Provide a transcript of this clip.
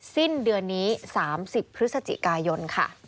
สิ้นเดือนนี้๓๐พฤศจิกายนค่ะ